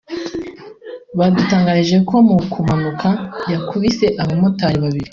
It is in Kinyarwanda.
badutangarije ko mu kumanuka yakubise abamotari babiri